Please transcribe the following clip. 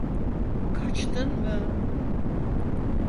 Kaçtın mı?